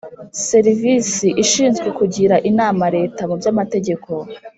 Serivisi ishinzwe kugira inama Leta mu by amategeko